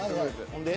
ほんで？